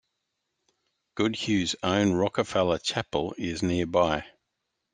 Goodhue's own Rockefeller Chapel is nearby.